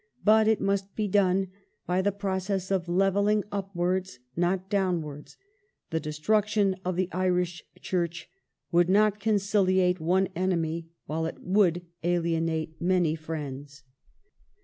But it must be done by the process of levelling upwards, not down wards ; the destruction of the Irish Church would not conciliate one enemy, while it would alienate many friends."